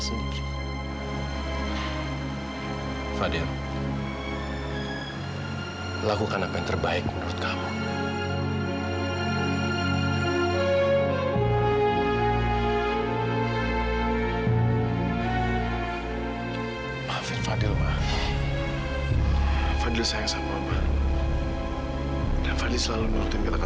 sampai jumpa di video selanjutnya